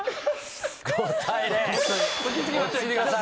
５対０。